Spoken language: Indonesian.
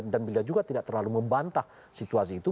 dan beliau juga tidak terlalu membantah situasi itu